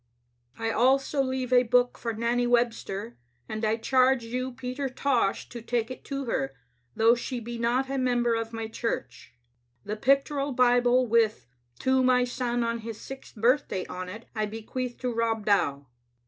" I also leave a book for Nanny Webster, and I charge you, Peter Tosh, to take it to her, though she be not a member of my church. "The pictorial Bible with *To my son on his sixth birthday' on it, I bequeath to Rob Dow.